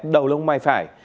đầu lông mày phải